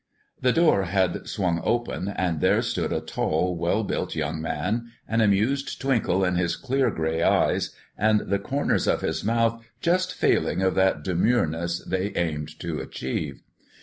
The door had swung open, and there stood a tall, well built young man, an amused twinkle in his clear gray eyes, and the corners of his mouth just failing of that demureness they aimed to achieve.